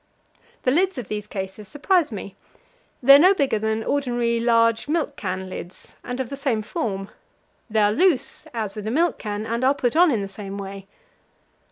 The lids of these cases surprise me. They are no bigger than ordinary large milk can lids, and of the same form; they are loose, as with a milk can, and are put on in the same way.